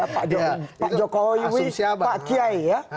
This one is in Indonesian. pak jokowi pak kiai